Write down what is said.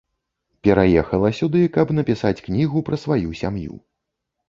Пераехала сюды, каб напісаць кнігу пра сваю сям'ю.